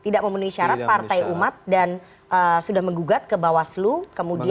tidak memenuhi syarat partai umat dan sudah menggugat ke bawah selu kemudian